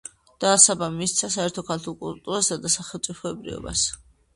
დასაბამი მისცა საერთო ქართულ კულტურასა და სახელმწიფოებრიობას.